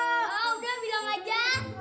oh udah bilang aja